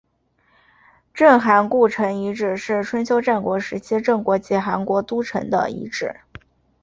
郑韩故城遗址是春秋战国时期郑国及韩国都城的遗址。